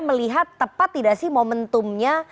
melihat tepat tidak sih momentumnya